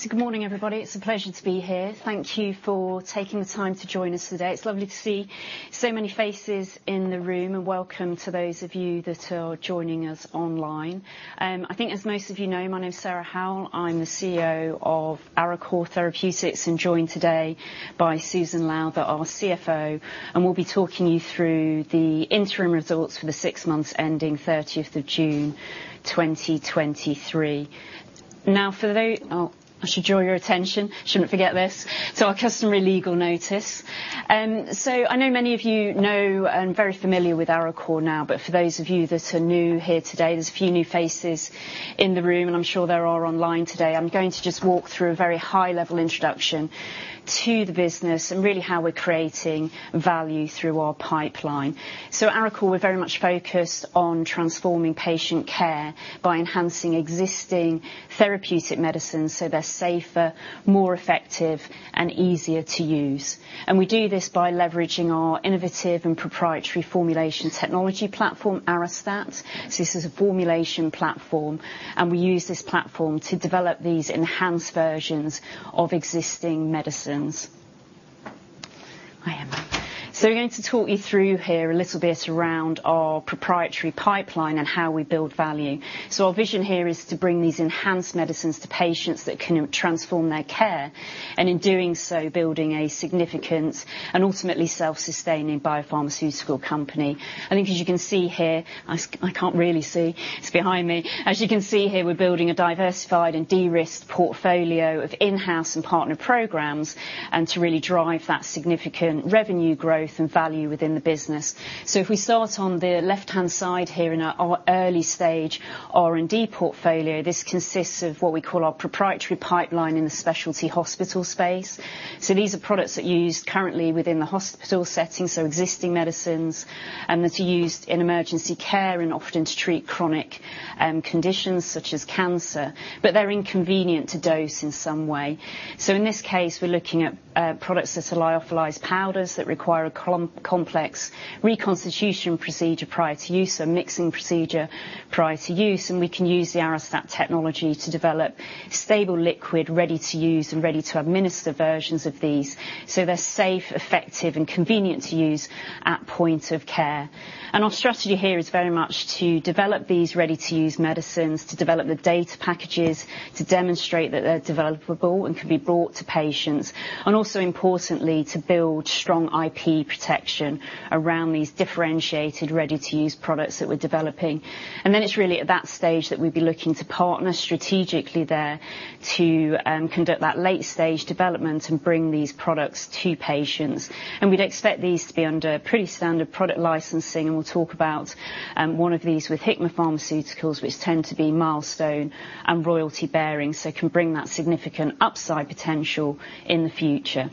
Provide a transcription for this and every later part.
So good morning, everybody. It's a pleasure to be here. Thank you for taking the time to join us today. It's lovely to see so many faces in the room, and welcome to those of you that are joining us online. I think, as most of you know, my name is Sarah Howell. I'm the CEO of Arecor Therapeutics, and joined today by Susan Lowther, our CFO, and we'll be talking you through the interim results for the six months ending 30th of June, 2023. Now, for those. Oh, I should draw your attention. I shouldn't forget this. So our customary legal notice. So I know many of you know, and very familiar with Arecor now, but for those of you that are new here today, there's a few new faces in the room, and I'm sure there are online today. I'm going to just walk through a very high-level introduction to the business and really how we're creating value through our pipeline. So at Arecor, we're very much focused on transforming patient care by enhancing existing therapeutic medicines so they're safer, more effective and easier to use. And we do this by leveraging our innovative and proprietary formulation technology platform, Arestat. So this is a formulation platform, and we use this platform to develop these enhanced versions of existing medicines. Hi, Emma. So we're going to talk you through here a little bit around our proprietary pipeline and how we build value. So our vision here is to bring these enhanced medicines to patients that can transform their care, and in doing so, building a significant and ultimately self-sustaining biopharmaceutical company. I think, as you can see here, I can't really see. It's behind me. As you can see here, we're building a diversified and de-risked portfolio of in-house and partner programs and to really drive that significant revenue growth and value within the business. So if we start on the left-hand side here in our early stage R&D portfolio, this consists of what we call our proprietary pipeline in the specialty hospital space. So these are products that are used currently within the hospital setting, so existing medicines, and that are used in emergency care and often to treat chronic conditions such as cancer, but they're inconvenient to dose in some way. So in this case, we're looking at products that are lyophilized powders that require a complex reconstitution procedure prior to use, a mixing procedure prior to use, and we can use the Arestat technology to develop stable liquid, ready-to-use and ready to administer versions of these so they're safe, effective and convenient to use at point of care. Our strategy here is very much to develop these ready-to-use medicines, to develop the data packages, to demonstrate that they're developable and can be brought to patients, and also importantly, to build strong IP protection around these differentiated, ready-to-use products that we're developing. Then it's really at that stage that we'd be looking to partner strategically there to conduct that late-stage development and bring these products to patients. And we'd expect these to be under pretty standard product licensing, and we'll talk about one of these with Hikma Pharmaceuticals, which tend to be milestone and royalty-bearing, so can bring that significant upside potential in the future.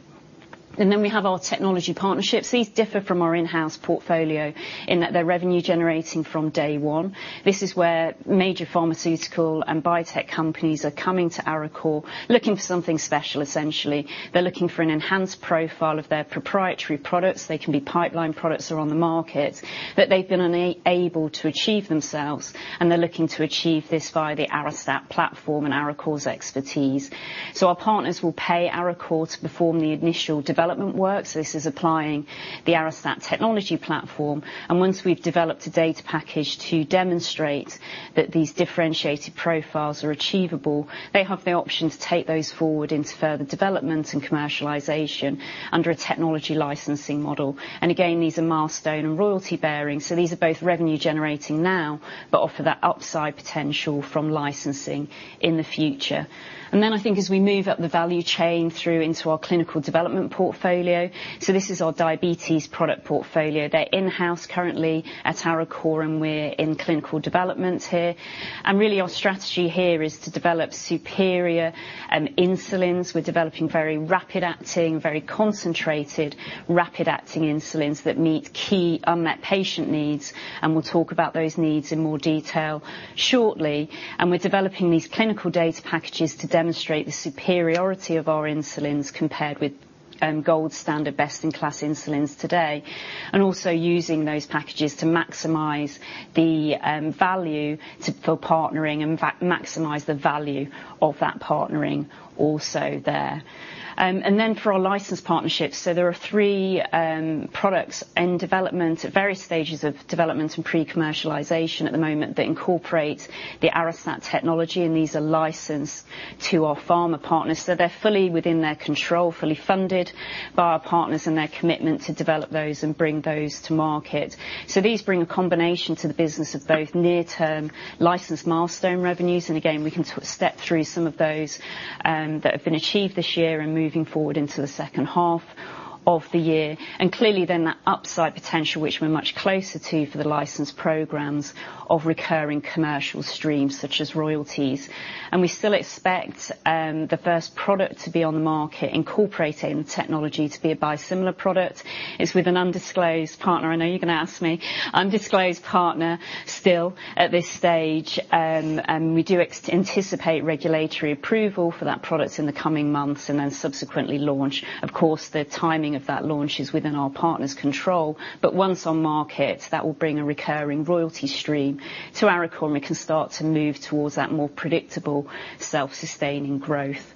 And then we have our technology partnerships. These differ from our in-house portfolio in that they're revenue generating from day one. This is where major pharmaceutical and biotech companies are coming to Arecor, looking for something special essentially. They're looking for an enhanced profile of their proprietary products. They can be pipeline products or on the market that they've been unable to achieve themselves, and they're looking to achieve this via the Arestat platform and Arecor's expertise. So our partners will pay Arecor to perform the initial development work. So this is applying the Arestat technology platform, and once we've developed a data package to demonstrate that these differentiated profiles are achievable, they have the option to take those forward into further development and commercialization under a technology licensing model. And again, these are milestone and royalty bearing. So these are both revenue generating now, but offer that upside potential from licensing in the future. And then I think as we move up the value chain through into our clinical development portfolio, so this is our diabetes product portfolio. They're in-house currently at Arecor, and we're in clinical development here. And really, our strategy here is to develop superior insulins. We're developing very rapid-acting, very concentrated, rapid-acting insulins that meet key unmet patient needs, and we'll talk about those needs in more detail shortly. And we're developing these clinical data packages to demonstrate the superiority of our insulins compared with gold standard, best-in-class insulins today, and also using those packages to maximize the value to, for partnering, and in fact, maximize the value of that partnering also there. And then for our licensed partnerships, so there are three products in development at various stages of development and pre-commercialization at the moment that incorporate the Arestat technology, and these are licensed to our pharma partners. So they're fully within their control, fully funded by our partners and their commitment to develop those and bring those to market. So these bring a combination to the business of both near-term licensed milestone revenues. And again, we can step through some of those that have been achieved this year and moving forward into the second half. of the year, and clearly then that upside potential, which we're much closer to for the licensed programs of recurring commercial streams, such as royalties. And we still expect, the first product to be on the market incorporating the technology to be a biosimilar product. It's with an undisclosed partner. I know you're going to ask me. Undisclosed partner still at this stage, and we do anticipate regulatory approval for that product in the coming months and then subsequently launch. Of course, the timing of that launch is within our partner's control, but once on market, that will bring a recurring royalty stream to Arecor, and we can start to move towards that more predictable, self-sustaining growth.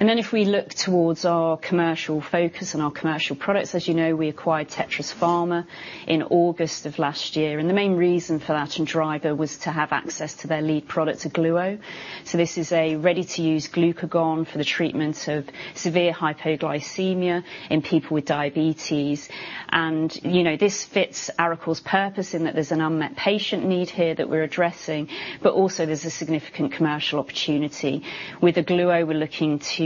And then, if we look towards our commercial focus and our commercial products, as you know, we acquired Tetris Pharma in August of last year, and the main reason for that and driver was to have access to their lead product, Ogluo. So this is a ready-to-use glucagon for the treatment of severe hypoglycemia in people with diabetes. And, you know, this fits Arecor's purpose in that there's an unmet patient need here that we're addressing, but also there's a significant commercial opportunity. With Ogluo, we're looking to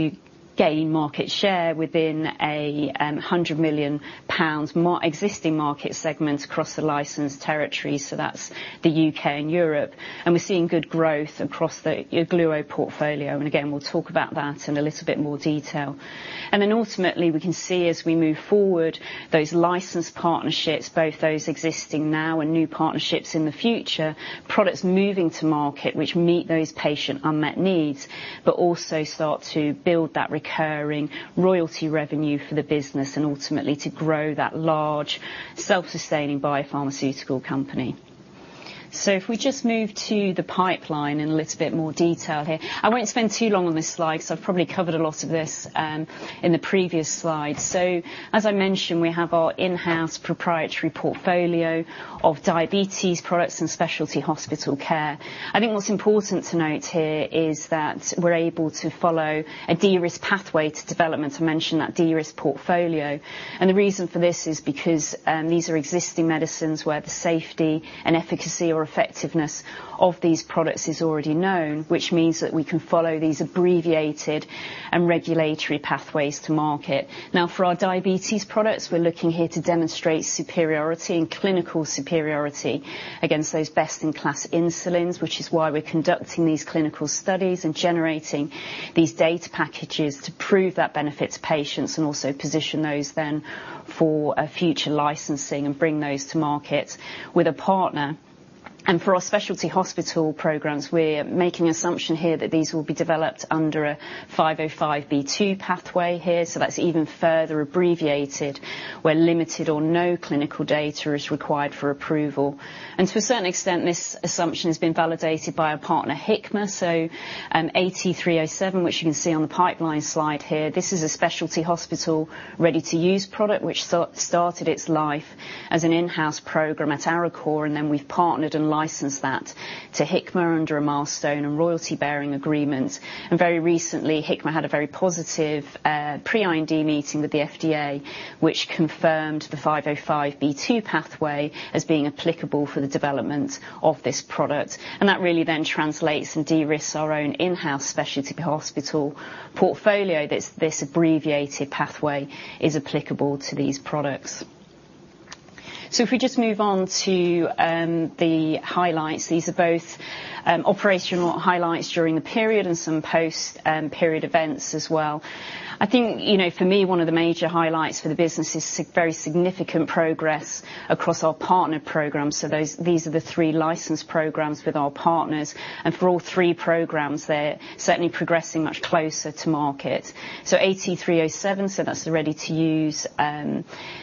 gain market share within a 100 million pounds existing market segments across the licensed territories, so that's the U.K. and Europe. And we're seeing good growth across the Ogluo portfolio, and again, we'll talk about that in a little bit more detail. And then ultimately, we can see as we move forward, those license partnerships, both those existing now and new partnerships in the future, products moving to market, which meet those patient unmet needs, but also start to build that recurring royalty revenue for the business and ultimately to grow that large, self-sustaining biopharmaceutical company. So if we just move to the pipeline in a little bit more detail here. I won't spend too long on this slide, because I've probably covered a lot of this, in the previous slide. So, as I mentioned, we have our in-house proprietary portfolio of diabetes products and specialty hospital care. I think what's important to note here is that we're able to follow a de-risk pathway to development. I mentioned that de-risk portfolio. The reason for this is because these are existing medicines, where the safety and efficacy or effectiveness of these products is already known, which means that we can follow these abbreviated and regulatory pathways to market. Now, for our diabetes products, we're looking here to demonstrate superiority and clinical superiority against those best-in-class insulins, which is why we're conducting these clinical studies and generating these data packages to prove that benefits patients, and also position those then for a future licensing and bring those to market with a partner. For our specialty hospital programs, we're making an assumption here that these will be developed under a 505(b)(2) pathway here, so that's even further abbreviated, where limited or no clinical data is required for approval. To a certain extent, this assumption has been validated by our partner, Hikma. So, AT307, which you can see on the pipeline slide here, this is a specialty hospital, ready-to-use product, which started its life as an in-house program at Arecor, and then we've partnered and licensed that to Hikma under a milestone and royalty-bearing agreement. Very recently, Hikma had a very positive pre-IND meeting with the FDA, which confirmed the 505(b)(2) pathway as being applicable for the development of this product. And that really then translates and de-risks our own in-house specialty hospital portfolio, that this abbreviated pathway is applicable to these products. So if we just move on to the highlights. These are both operational highlights during the period and some post-period events as well. I think, you know, for me, one of the major highlights for the business is very significant progress across our partner program. So those, these are the three licensed programs with our partners. And for all three programs, they're certainly progressing much closer to market. So AT307, so that's the ready-to-use,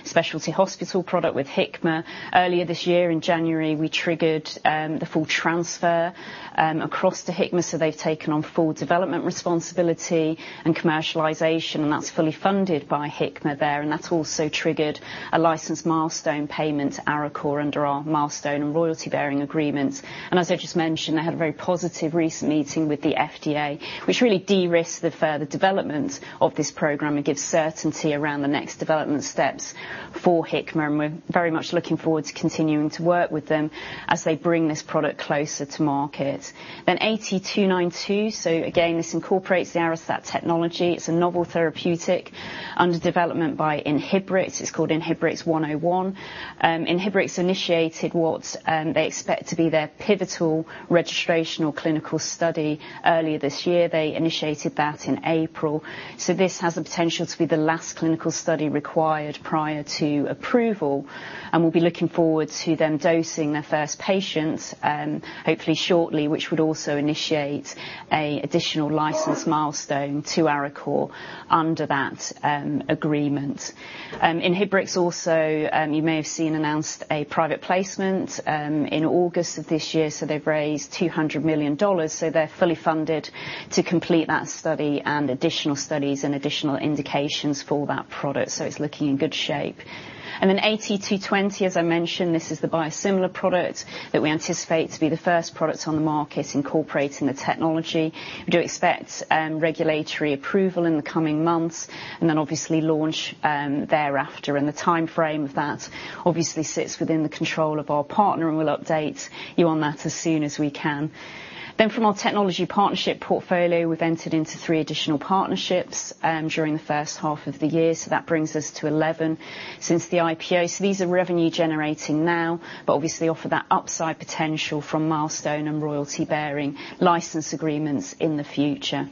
specialty hospital product with Hikma. Earlier this year, in January, we triggered the full transfer across to Hikma, so they've taken on full development, responsibility, and commercialization, and that's fully funded by Hikma there, and that's also triggered a licensed milestone payment to Arecor under our milestone and royalty-bearing agreements. And as I just mentioned, they had a very positive recent meeting with the FDA, which really de-risks the further development of this program and gives certainty around the next development steps for Hikma. And we're very much looking forward to continuing to work with them as they bring this product closer to market. Then AT292. So again, this incorporates the Arestat technology. It's a novel therapeutic under development by Inhibrx. It's called INBRX-101. Inhibrx initiated what they expect to be their pivotal registrational clinical study earlier this year. They initiated that in April. So this has the potential to be the last clinical study required prior to approval, and we'll be looking forward to them dosing their first patients, hopefully shortly, which would also initiate a additional license milestone to Arecor under that agreement. Inhibrx also, you may have seen, announced a private placement in August of this year, so they've raised $200 million, so they're fully funded to complete that study and additional studies and additional indications for that product. So it's looking in good shape. And then AT220, as I mentioned, this is the biosimilar product that we anticipate to be the first product on the market incorporating the technology. We do expect regulatory approval in the coming months, and then, obviously, launch thereafter. And the timeframe of that obviously sits within the control of our partner, and we'll update you on that as soon as we can. Then from our technology partnership portfolio, we've entered into three additional partnerships during the first half of the year, so that brings us to 11 since the IPO. So these are revenue generating now, but obviously offer that upside potential from milestone and royalty-bearing license agreements in the future.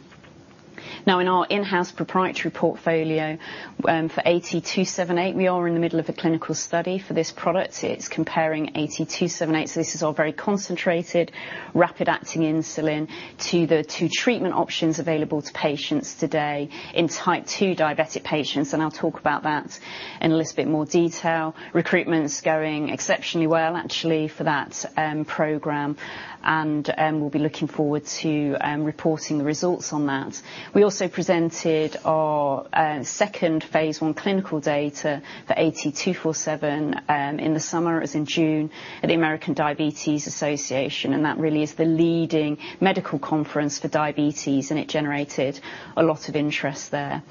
Now, in our in-house proprietary portfolio, for AT278, we are in the middle of a clinical study for this product. It's comparing AT278, so this is all very concentrated, rapid-acting insulin to the two treatment options available to patients today in Type 2 diabetic patients, and I'll talk about that in a little bit more detail. Recruitment is going exceptionally well, actually, for that program. We'll be looking forward to reporting the results on that. We also presented our second phase one clinical data for AT247 in the summer. It was in June at the American Diabetes Association, and that really is the leading medical conference for diabetes, and it generated a lot of interest there.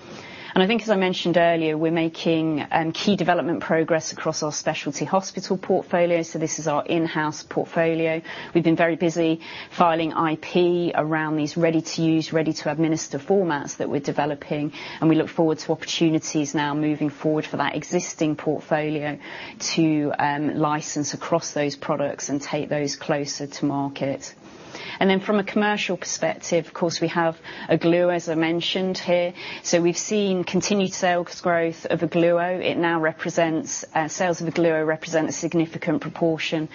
I think, as I mentioned earlier, we're making key development progress across our specialty hospital portfolio. This is our in-house portfolio. We've been very busy filing IP around these ready-to-use, ready-to-administer formats that we're developing, and we look forward to opportunities now moving forward for that existing portfolio to license across those products and take those closer to market. Then from a commercial perspective, of course, we have Ogluo, as I mentioned here. We've seen continued sales growth of Ogluo. Sales of Ogluo represent a significant proportion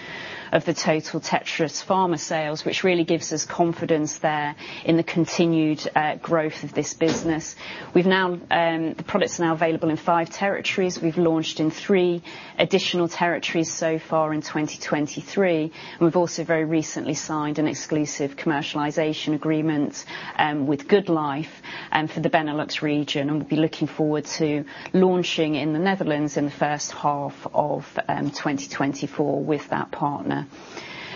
of the total Tetris Pharma sales, which really gives us confidence there in the continued growth of this business. The product is now available in five territories. We've launched in three additional territories so far in 2023, and we've also very recently signed an exclusive commercialization agreement with Goodlife for the Benelux region, and we'll be looking forward to launching in the Netherlands in the first half of 2024 with that partner.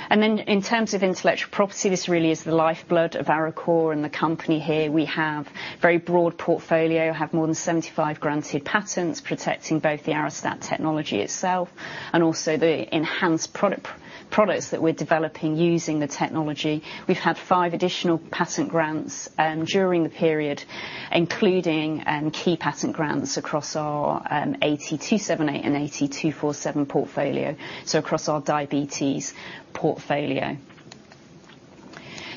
Then in terms of intellectual property, this really is the lifeblood of Arecor and the company here. We have very broad portfolio, have more than 75 granted patents, protecting both the Arestat technology itself and also the enhanced product, products that we're developing using the technology. We've had five additional patent grants during the period, including key patent grants across our AT278 and AT247 portfolio, so across our diabetes portfolio.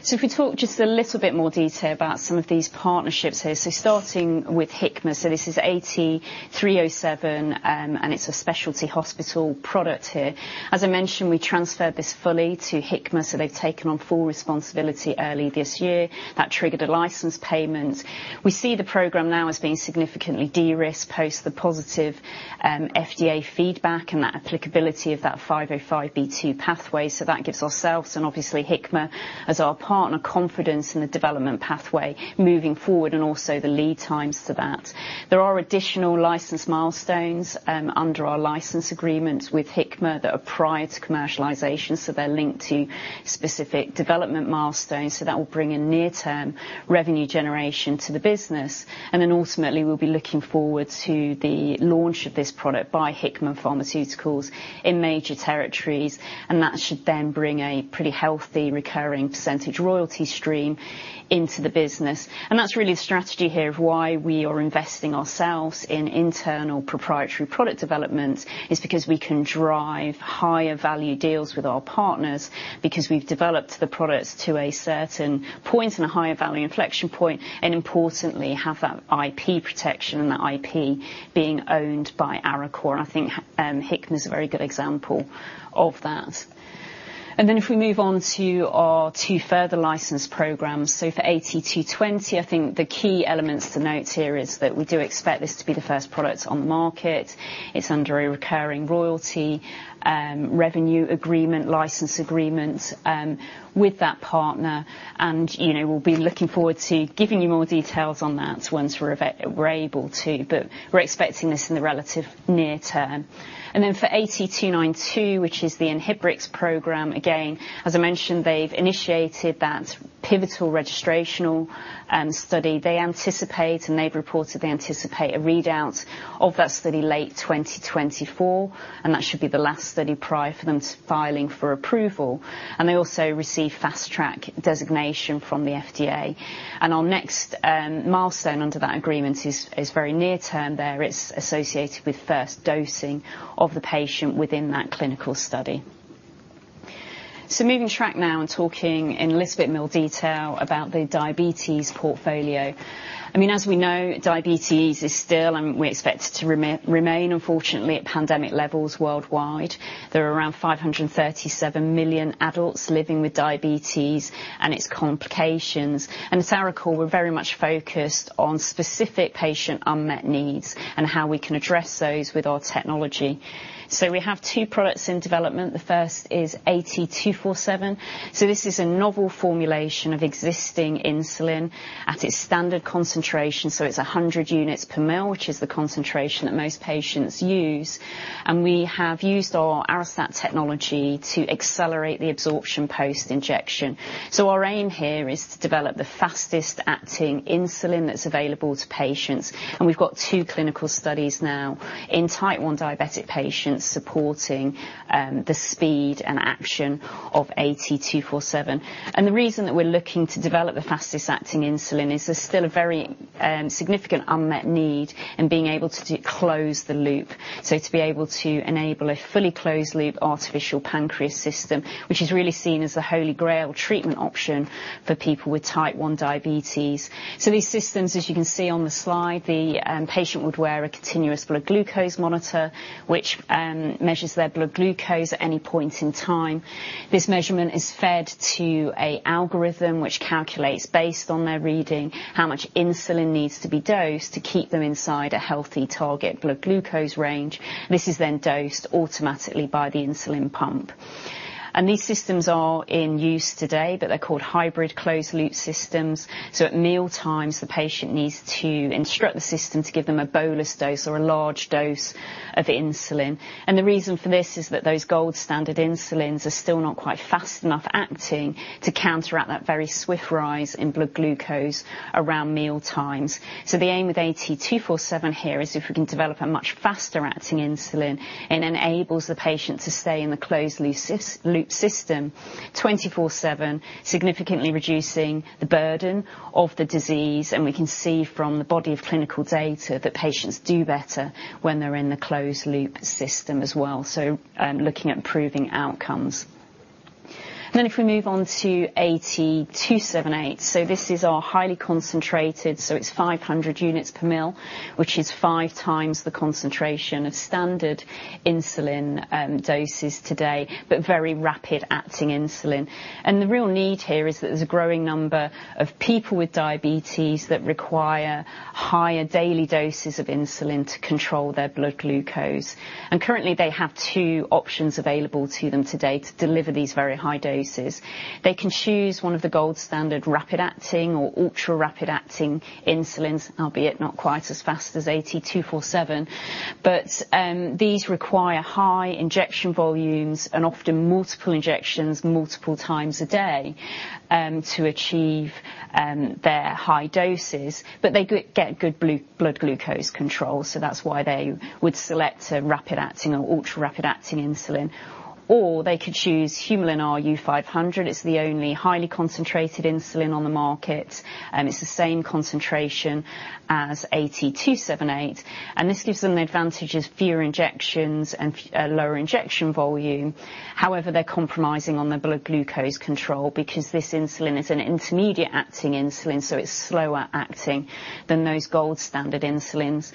So if we talk just a little bit more detail about some of these partnerships here. Starting with Hikma, this is AT307, and it's a specialty hospital product here. As I mentioned, we transferred this fully to Hikma, so they've taken on full responsibility early this year. That triggered a license payment. We see the program now as being significantly de-risked, post the positive FDA feedback and that applicability of that 505(b)(2) pathway. That gives ourselves, and obviously Hikma, as our partner, confidence in the development pathway moving forward and also the lead times to that. There are additional license milestones under our license agreement with Hikma that are prior to commercialization, so they're linked to specific development milestones. That will bring in near-term revenue generation to the business. And then ultimately, we'll be looking forward to the launch of this product by Hikma Pharmaceuticals in major territories, and that should then bring a pretty healthy recurring percentage royalty stream into the business. And that's really the strategy here of why we are investing ourselves in internal proprietary product development, is because we can drive higher value deals with our partners, because we've developed the products to a certain point and a higher value inflection point, and importantly, have that IP protection and that IP being owned by Arecor. I think, Hikma is a very good example of that. And then if we move on to our two further license programs. So for AT220, I think the key elements to note here is that we do expect this to be the first product on the market. It's under a recurring royalty revenue agreement, license agreement with that partner, and, you know, we'll be looking forward to giving you more details on that once we're able to. But we're expecting this in the relative near term. And then for AT292, which is the Inhibrx program, again, as I mentioned, they've initiated that pivotal registrational study. They anticipate, and they've reported they anticipate a read out of that study late 2024, and that should be the last study prior for them to filing for approval, and they also receive fast track designation from the FDA. And our next milestone under that agreement is very near term there. It's associated with first dosing of the patient within that clinical study. So moving track now and talking in a little bit more detail about the diabetes portfolio. I mean, as we know, diabetes is still, and we expect it to remain, unfortunately, at pandemic levels worldwide. There are around 537 million adults living with diabetes and its complications. At Arecor, we're very much focused on specific patient unmet needs and how we can address those with our technology. We have two products in development. The first is AT247. This is a novel formulation of existing insulin at its standard concentration, so it's 100 units per mL, which is the concentration that most patients use, and we have used our Arestat technology to accelerate the absorption post-injection. Our aim here is to develop the fastest-acting insulin that's available to patients, and we've got two clinical studies now in Type 1 diabetic patients supporting the speed and action of AT247. The reason that we're looking to develop the fastest-acting insulin is there's still a very, significant unmet need in being able to close the loop. To be able to enable a fully Closed-Loop Artificial Pancreas system which is really seen as the holy grail treatment option for people with Type 1 diabetes. These systems, as you can see on the slide, the patient would wear a continuous blood glucose monitor, which measures their blood glucose at any point in time. This measurement is fed to a algorithm which calculates, based on their reading, how much insulin needs to be dosed to keep them inside a healthy target blood glucose range. This is then dosed automatically by the insulin pump. These systems are in use today, but they're called hybrid Closed-Loop systems. So at mealtimes, the patient needs to instruct the system to give them a bolus dose or a large dose of insulin. And the reason for this is that those gold standard insulins are still not quite fast enough acting to counteract that very swift rise in blood glucose around mealtimes. So the aim with AT247 here is if we can develop a much faster acting insulin, it enables the patient to stay in the closed loop system 24/7, significantly reducing the burden of the disease. And we can see from the body of clinical data that patients do better when they're in the closed loop system as well, so looking at improving outcomes. Then if we move on to AT278. So this is our highly concentrated, so it's 500 units per mL, which is 5x the concentration of standard insulin doses today, but very rapid acting insulin. And the real need here is that there's a growing number of people with diabetes that require higher daily doses of insulin to control their blood glucose. And currently, they have two options available to them today to deliver these very high doses. They can choose one of the gold standard, rapid-acting or ultra-rapid-acting insulins, albeit not quite as fast as AT247, but these require high injection volumes and often multiple injections multiple times a day to achieve their high doses. But they get good blood glucose control, so that's why they would select a rapid-acting or ultra-rapid-acting insulin. Or they could choose Humulin R U-500. It's the only highly concentrated insulin on the market, and it's the same concentration as AT278, and this gives them the advantages, fewer injections and lower injection volume. However, they're compromising on their blood glucose control because this insulin is an intermediate-acting insulin, so it's slower acting than those gold standard insulins.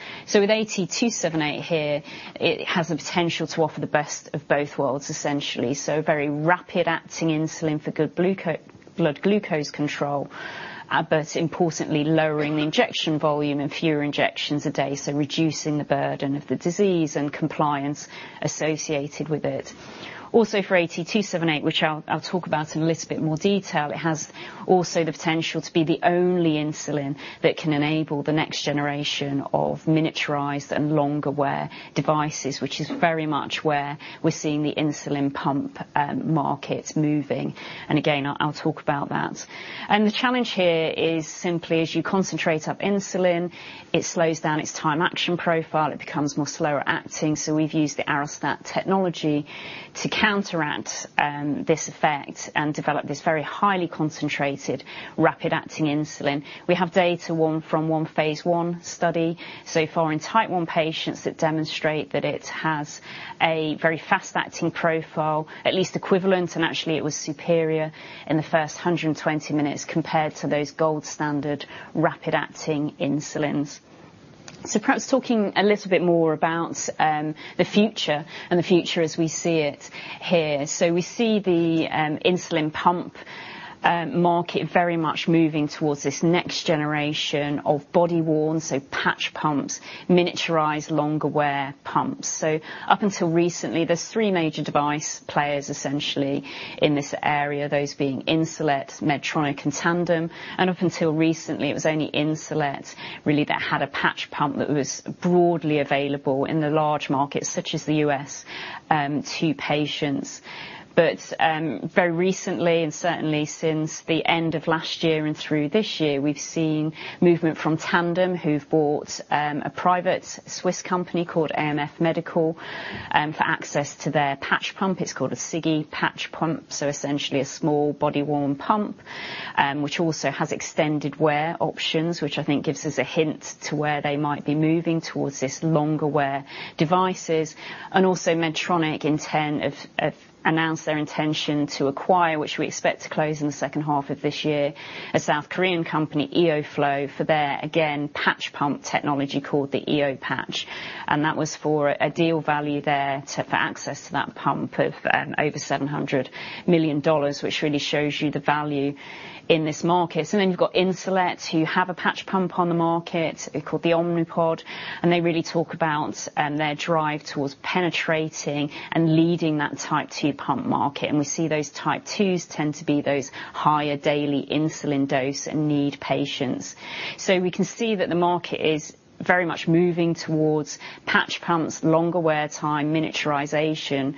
So with AT278 here, it has the potential to offer the best of both worlds, essentially. So very rapid-acting insulin for good blood glucose control, but importantly, lowering the injection volume and fewer injections a day, so reducing the burden of the disease and compliance associated with it. Also, for AT278, which I'll talk about in a little bit more detail, it has also the potential to be the only insulin that can enable the next generation of miniaturized and longer-wear devices, which is very much where we're seeing the insulin pump market moving. And again, I'll talk about that. And the challenge here is simply as you concentrate up insulin, it slows down its time action profile. It becomes more slower acting, so we've used the Arestat technology to counteract this effect and develop this very highly concentrated, rapid-acting insulin. We have data from one phase 1 study so far in Type 1 patients that demonstrate that it has a very fast-acting profile, at least equivalent, and actually it was superior in the first 120 minutes compared to those gold standard, rapid-acting insulins. So perhaps talking a little bit more about the future and the future as we see it here. So we see the insulin pump market very much moving towards this next generation of body worn, so patch pumps, miniaturized, longer-wear pumps. So up until recently, there are three major device players essentially in this area, those being Insulet, Medtronic and Tandem, and up until recently, it was only Insulet, really, that had a patch pump that was broadly available in the large markets, such as the U.S., to patients. But very recently, and certainly since the end of last year and through this year, we've seen movement from Tandem, who've bought a private Swiss company called AMF Medical for access to their patch pump. It's called a Sigi patch pump, so essentially a small body worn pump, which also has extended wear options, which I think gives us a hint to where they might be moving towards this longer-wear devices. Also Medtronic announced their intention to acquire, which we expect to close in the second half of this year, a South Korean company, EOFlow, for their, again, patch pump technology called the EOPatch. And that was for a deal value for access to that pump of over $700 million, which really shows you the value in this market. So then you've got Insulet, who have a patch pump on the market called the Omnipod, and they really talk about their drive towards penetrating and leading that Type 2 pump market. We see those Type 2s tend to be those higher daily insulin dose and need patients. So we can see that the market is very much moving towards patch pumps, longer wear time, miniaturization,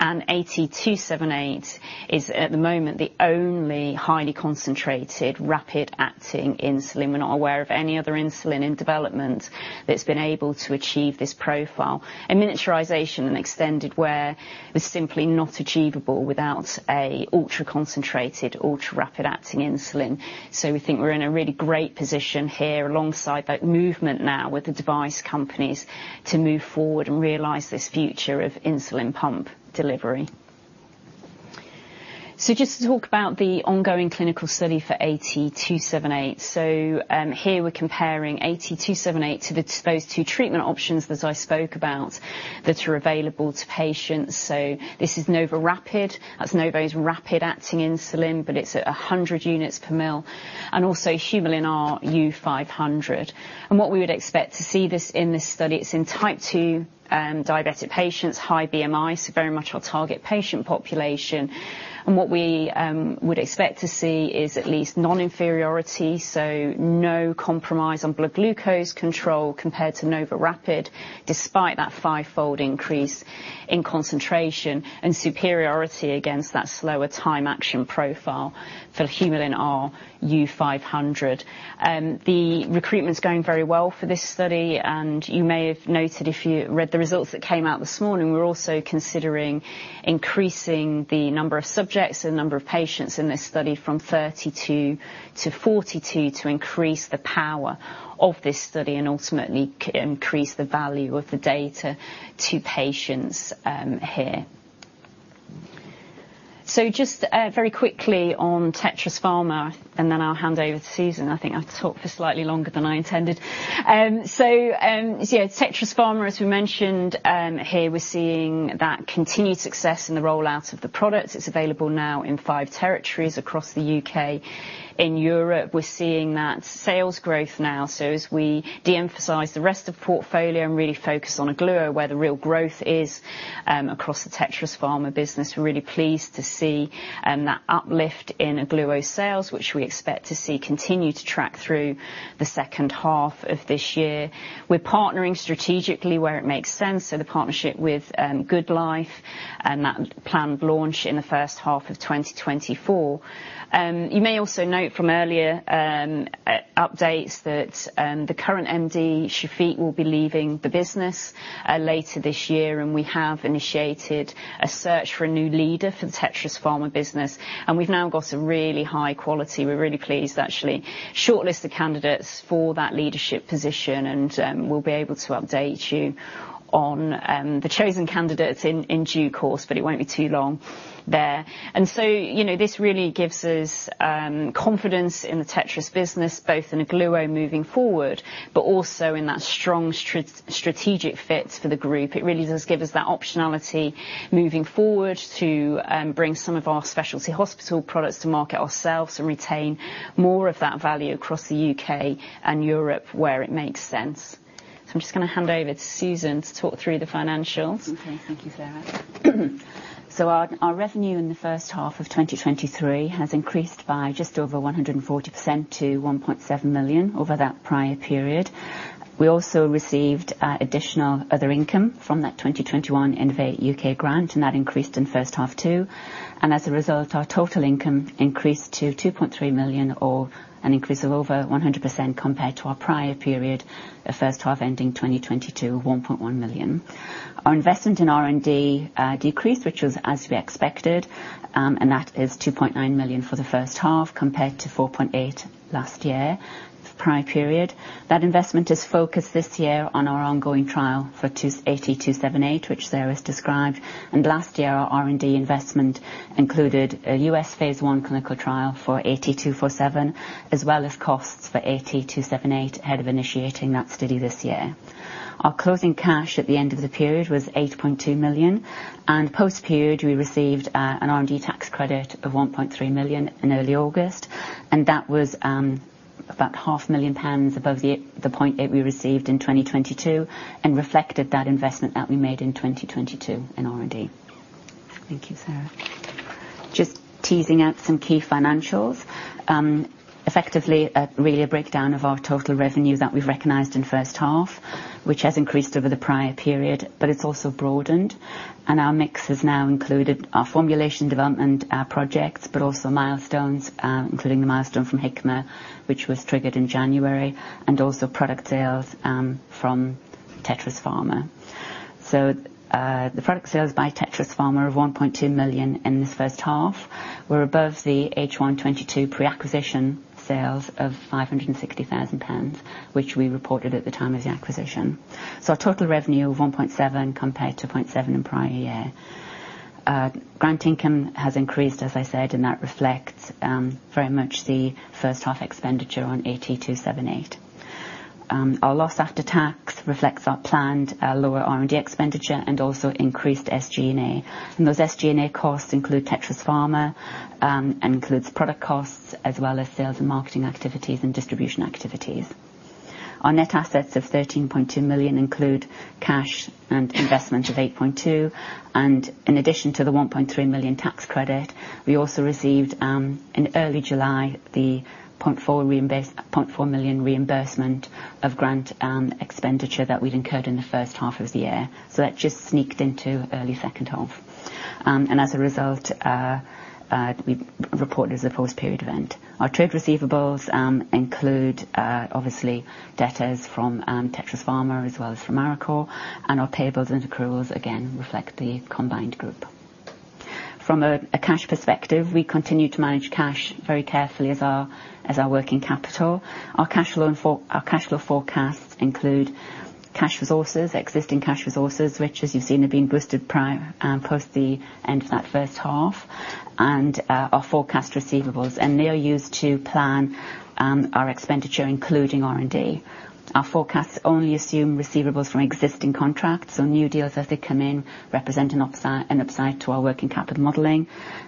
and AT278 is, at the moment, the only highly concentrated, rapid-acting insulin. We're not aware of any other insulin in development that's been able to achieve this profile. And miniaturization and extended wear was simply not achievable without a ultra-concentrated, ultra-rapid-acting insulin. So we think we're in a really great position here alongside that movement now with the device companies to move forward and realize this future of insulin pump delivery. So just to talk about the ongoing clinical study for AT278. Here we're comparing AT278 to the, those two treatment options, as I spoke about, that are available to patients. So this is NovoRapid. That's Novo's rapid-acting insulin, but it's at 100 units per mL, and also Humulin R U-500. What we would expect to see in this study, it's in Type 2 diabetic patients, high BMI, so very much our target patient population. What we would expect to see is at least non-inferiority, so no compromise on blood glucose control compared to NovoRapid, despite that fivefold increase in concentration and superiority against that slower time action profile for Humulin R U-500. The recruitment is going very well for this study, and you may have noted, if you read the results that came out this morning, we're also considering increasing the number of subjects and the number of patients in this study from 32 to 42, to increase the power of this study and ultimately increase the value of the data to patients here. Just very quickly on Tetris Pharma, and then I'll hand over to Susan. I think I've talked for slightly longer than I intended. Yeah, Tetris Pharma, as we mentioned, here, we're seeing that continued success in the rollout of the product. It's available now in five territories across the U.K. In Europe, we're seeing that sales growth now. As we de-emphasize the rest of portfolio and really focus on Ogluo, where the real growth is, across the Tetris Pharma business, we're really pleased to see that uplift in Ogluo sales, which we expect to see continue to track through the second half of this year. We're partnering strategically where it makes sense, so the partnership with Goodlife and that planned launch in the first half of 2024. You may also note from earlier updates that the current MD, Shafeeq, will be leaving the business later this year, and we have initiated a search for a new leader for the Tetris Pharma business, and we've now got some really high quality. We're really pleased to actually shortlist the candidates for that leadership position, and we'll be able to update you on the chosen candidates in due course, but it won't be too long there. And so, you know, this really gives us confidence in the Tetris business, both in Ogluo moving forward, but also in that strong strategic fit for the group. It really does give us that optionality moving forward to bring some of our specialty hospital products to market ourselves and retain more of that value across the U.K. and Europe, where it makes sense. I'm just going to hand over to Susan to talk through the financials. Okay. Thank you, Sarah. So our revenue in the first half of 2023 has increased by just over 140% to 1.7 million over that prior period. We also received additional other income from that 2021 Innovate U.K. grant, and that increased in the first half, too. As a result, our total income increased to 2.3 million, or an increase of over 100% compared to our prior period, the first half ending 2022, 1.1 million. Our investment in R&D decreased, which was as we expected, and that is 2.9 million for the first half, compared to 4.8 million last year, the prior period. That investment is focused this year on our ongoing trial for AT278, which Sarah has described, and last year, our R&D investment included a U.S. phase I clinical trial for AT247, as well as costs for AT278, ahead of initiating that study this year. Our closing cash at the end of the period was 8.2 million, and post-period, we received an R&D tax credit of 1.3 million in early August, and that was about half a million pounds above the point that we received in 2022 and reflected that investment that we made in 2022 in R&D. Thank you, Sarah. Just teasing out some key financials. Effectively, really a breakdown of our total revenues that we've recognized in first half, which has increased over the prior period, but it's also broadened, and our mix has now included our formulation development projects, but also milestones, including the milestone from Hikma, which was triggered in January, and also product sales from Tetris Pharma. So, the product sales by Tetris Pharma of 1.2 million in this first half were above the H1 2022 pre-acquisition sales of 560,000 pounds, which we reported at the time of the acquisition. So our total revenue of 1.7 million compared to 0.7 million in prior year. Grant income has increased, as I said, and that reflects very much the first half expenditure on AT278. Our loss after tax reflects our planned lower R&D expenditure and also increased SG&A. Those SG&A costs include Tetris Pharma and includes product costs as well as sales and marketing activities and distribution activities. Our net assets of 13.2 million include cash and investment of 8.2 million, and in addition to the 1.3 million tax credit, we also received in early July the 0.4 million reimbursement of grant expenditure that we'd incurred in the first half of the year. That just sneaked into early second half. As a result, we've reported as a post-period event. Our trade receivables include obviously debtors from Tetris Pharma as well as from Arecor, and our payables and accruals again reflect the combined group. From a cash perspective, we continue to manage cash very carefully as our working capital. Our cash flow forecasts include existing cash resources, which as you've seen, have been boosted prior, post the end of that first half and our forecast receivables. And they are used to plan our expenditure, including R&D. Our forecasts only assume receivables from existing contracts or new deals as they come in, represent an upside, an upside to our working capital modeling.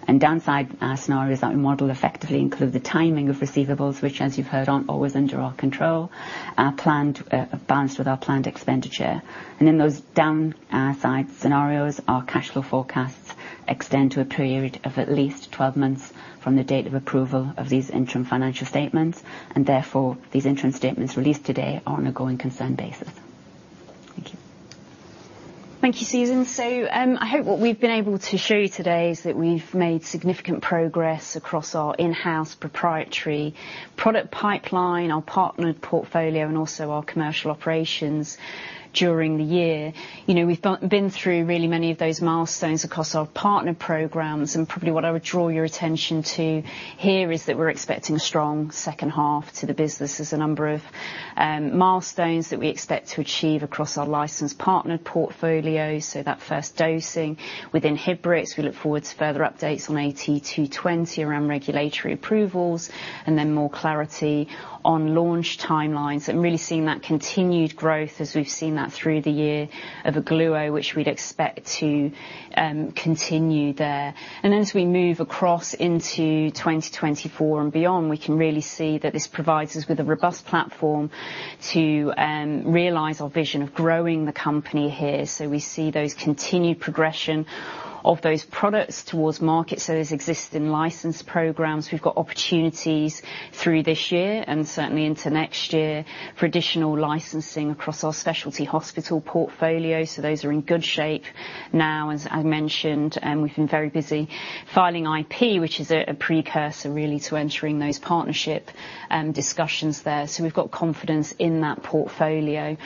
And downside scenarios that we model effectively include the timing of receivables, which, as you've heard, aren't always under our control. Our planned balanced with our planned expenditure. In those downside scenarios, our cash flow forecasts extend to a period of at least 12 months from the date of approval of these interim financial statements, and therefore, these interim statements released today are on a going concern basis. Thank you. Thank you, Susan. So, I hope what we've been able to show you today is that we've made significant progress across our in-house proprietary product pipeline, our partnered portfolio, and also our commercial operations during the year. You know, we've been through really many of those milestones across our partner programs, and probably what I would draw your attention to here is that we're expecting a strong second half to the business as a number of milestones that we expect to achieve across our licensed partnered portfolio. So that first dosing with Inhibrx, we look forward to further updates on AT220 around regulatory approvals, and then more clarity on launch timelines, and really seeing that continued growth as we've seen that through the year of Ogluo, which we'd expect to continue there. Then as we move across into 2024 and beyond, we can really see that this provides us with a robust platform to realize our vision of growing the company here. We see those continued progression of those products towards market. Those existing license programs, we've got opportunities through this year and certainly into next year for additional licensing across our specialty hospital portfolio. Those are in good shape now, as I mentioned, and we've been very busy filing IP, which is a precursor, really, to entering those partnership discussions there. We've got confidence in that portfolio.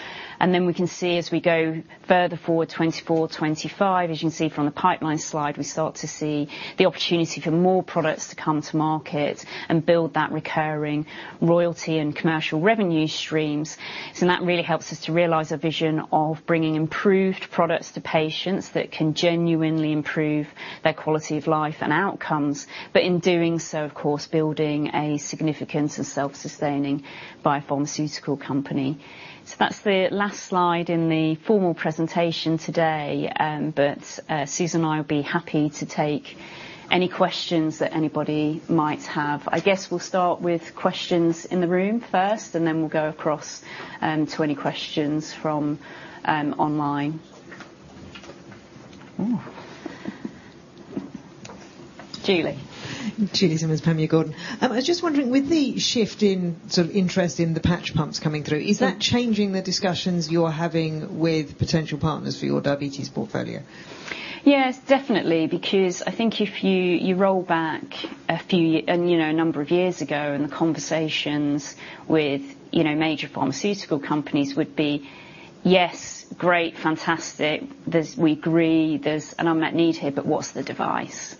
Then we can see as we go further forward, 2024, 2025, as you can see from the pipeline slide, we start to see the opportunity for more products to come to market and build that recurring royalty and commercial revenue streams. So that really helps us to realize a vision of bringing improved products to patients that can genuinely improve their quality of life and outcomes. But in doing so, of course, building a significant and self-sustaining biopharmaceutical company. So that's the last slide in the formal presentation today. But, Susan and I will be happy to take any questions that anybody might have. I guess we'll start with questions in the room first, and then we'll go across to any questions from online. Ooh. Julie. Julie Simmonds, Peel Hunt. I was just wondering, with the shift in sort of interest in the patch pumps coming through, is that changing the discussions you're having with potential partners for your diabetes portfolio? Yes, definitely, because I think if you roll back a few years ago, and the conversations with, you know, major pharmaceutical companies would be, "Yes, great, fantastic. We agree there's an unmet need here, but what's the device?"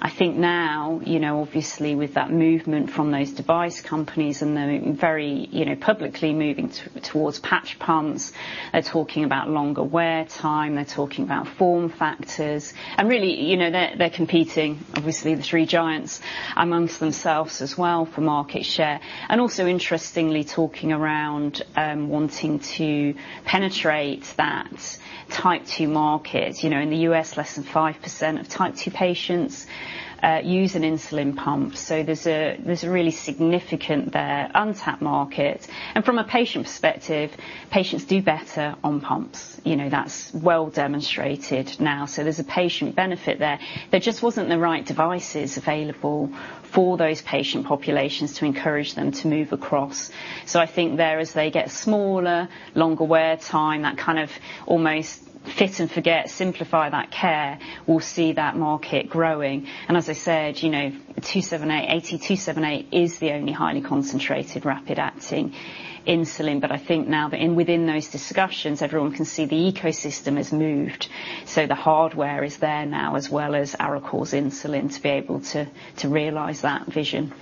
I think now, you know, obviously, with that movement from those device companies, and they're very, you know, publicly moving towards patch pumps, they're talking about longer wear time, they're talking about form factors, and really, you know, they're competing, obviously, the three giants amongst themselves as well, for market share. And also, interestingly, talking around wanting to penetrate that Type 2 market. You know, in the U.S., less than 5% of Type 2 patients use an insulin pump, so there's a really significant untapped market there. And from a patient perspective, patients do better on pumps. You know, that's well demonstrated now, so there's a patient benefit there. There just wasn't the right devices available for those patient populations to encourage them to move across. So I think there, as they get smaller, longer wear time, that kind of almost fit and forget, simplify that care, we'll see that market growing. And as I said, you know, 278, AT-278 is the only highly concentrated, rapid-acting insulin. But I think now that and within those discussions, everyone can see the ecosystem has moved. So the hardware is there now, as well as Arecor's insulin, to be able to, to realize that vision.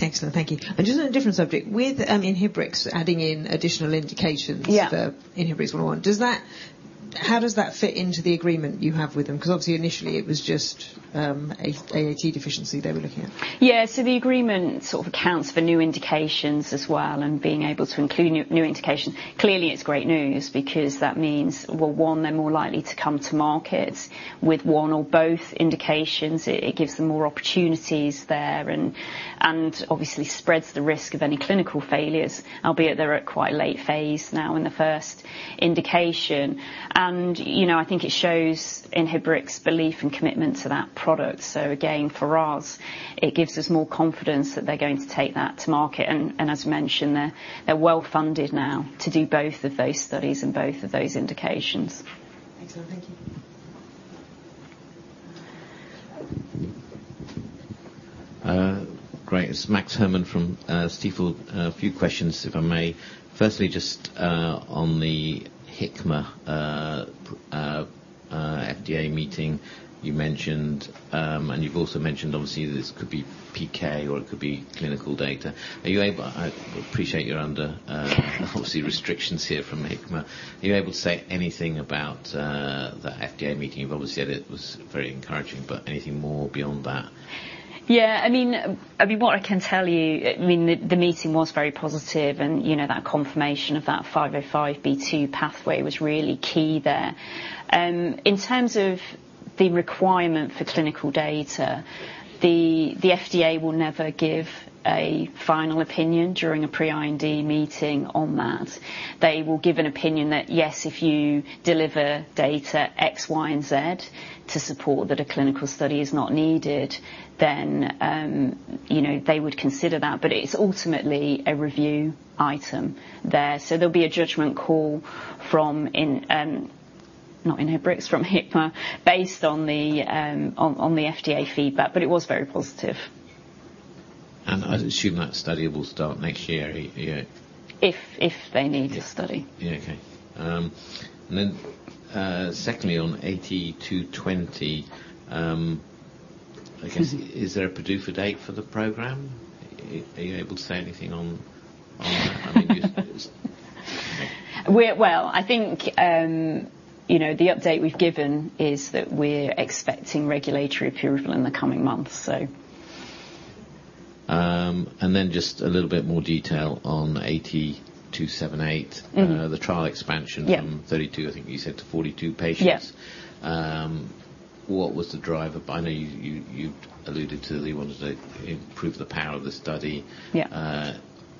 Excellent. Thank you. Just on a different subject, with Inhibrx adding in additional indications- Yeah. For INBRX-101, does that—how does that fit into the agreement you have with them? Because obviously, initially it was just AAT deficiency they were looking at. Yeah. So the agreement sort of accounts for new indications as well and being able to include new indications. Clearly, it's great news because that means, well, one, they're more likely to come to market with one or both indications. It gives them more opportunities there and obviously spreads the risk of any clinical failures, albeit they're at quite a late phase now in the first indication. And, you know, I think it shows Inhibrx's belief and commitment to that product. So again, for us, it gives us more confidence that they're going to take that to market. And as mentioned, they're well funded now to do both of those studies and both of those indications. Excellent. Thank you. Great. It's Max Herrmann from Stifel. A few questions, if I may. Firstly, just on the Hikma FDA meeting, you mentioned, and you've also mentioned obviously, this could be PK or it could be clinical data. Are you able. I appreciate you're under, obviously, restrictions here from Hikma. Are you able to say anything about the FDA meeting? You've obviously said it was very encouraging, but anything more beyond that? Yeah, I mean, what I can tell you, I mean, the meeting was very positive, and, you know, that confirmation of that 505(b)(2) pathway was really key there. In terms of the requirement for clinical data, the FDA will never give a final opinion during a pre-IND meeting on that. They will give an opinion that: yes, if you deliver data X, Y, and Z to support that a clinical study is not needed, then, you know, they would consider that, but it's ultimately a review item there. So there'll be a judgment call from, not Inhibrx, from Hikma, based on the FDA feedback, but it was very positive. I'd assume that study will start next year, yeah? If they need a study. Yeah. Okay. And then, secondly, on AT220, I guess, is there a PDUFA date for the program? Are you able to say anything on, on that? Well, I think, you know, the update we've given is that we're expecting regulatory approval in the coming months, so... And then just a little bit more detail on AT278. Mm. The trial expansion- Yeah. - from 32, I think you said to 42 patients. Yes. What was the driver? I know you alluded to that you wanted to improve the power of the study. Yeah.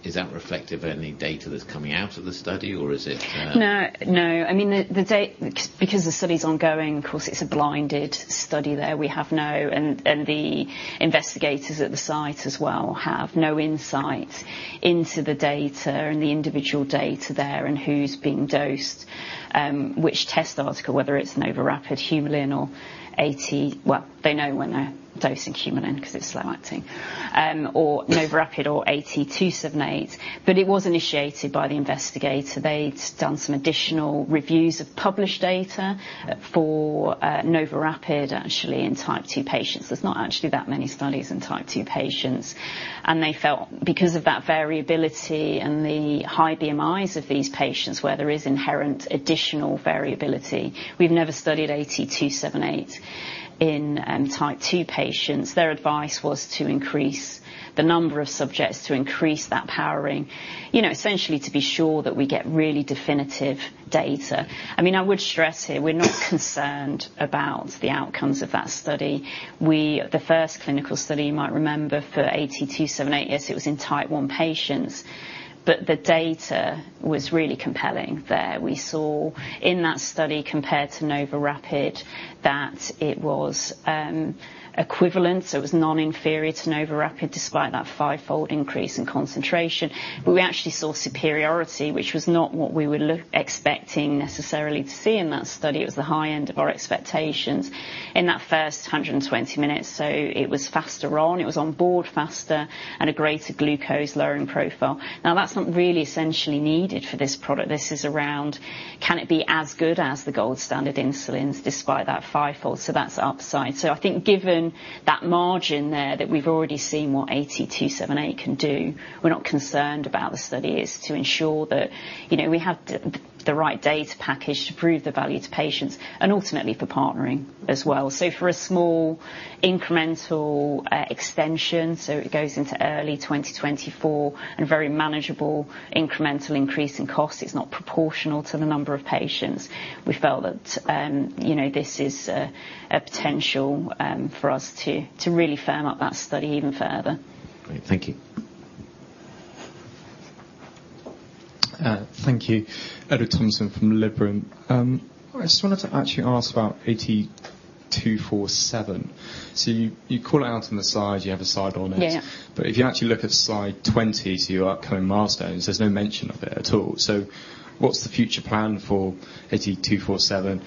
Is that reflective of any data that's coming out of the study, or is it? No, no. I mean, the data. Because the study's ongoing, of course, it's a blinded study there. We have no, and the investigators at the site as well, have no insight into the data and the individual data there and who's being dosed, which test article, whether it's NovoRapid, Humulin or AT. Well, they know when they're dosing Humulin because it's slow-acting, or NovoRapid or AT278, but it was initiated by the investigator. They'd done some additional reviews of published data for NovoRapid, actually, in Type 2 patients. There's not actually that many studies in Type 2 patients, and they felt because of that variability and the high BMIs of these patients, where there is inherent additional variability, we've never studied AT278 in Type 2 patients. Their advice was to increase the number of subjects, to increase that powering, you know, essentially to be sure that we get really definitive data. I mean, I would stress here, we're not concerned about the outcomes of that study. The first clinical study, you might remember, for AT278, yes, it was in Type 1 patients, but the data was really compelling there. We saw in that study, compared to NovoRapid, that it was equivalent, so it was non-inferior to NovoRapid, despite that fivefold increase in concentration. But we actually saw superiority, which was not what we were expecting necessarily to see in that study. It was the high end of our expectations in that first 120 minutes, so it was faster on, it was on board faster and a greater glucose-lowering profile. Now, that's not really essentially needed for this product. This is around, can it be as good as the gold standard insulins, despite that fivefold? So that's the upside. So I think given that margin there, that we've already seen what AT278 can do, we're not concerned about the study. It's to ensure that, you know, we have the right data package to prove the value to patients and ultimately for partnering as well. So for a small incremental extension, so it goes into early 2024 and very manageable incremental increase in cost, it's not proportional to the number of patients. We felt that, you know, this is a potential for us to really firm up that study even further. Great. Thank you. Thank you. Edward Thomason from Liberum. I just wanted to actually ask about AT247. So you call it out on the side, you have a side on it. Yeah. But if you actually look at slide 20, so your upcoming milestones, there's no mention of it at all. So what's the future plan for AT247?